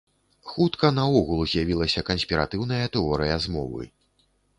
Хутка наогул з'явілася канспіратыўная тэорыя змовы.